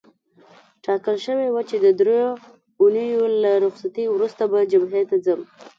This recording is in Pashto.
ټاکل شوې وه چې د دریو اونیو له رخصتۍ وروسته به جبهې ته ځم.